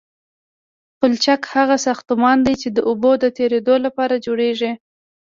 پلچک هغه ساختمان دی چې د اوبو د تیرېدو لپاره جوړیږي